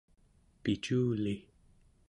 piculi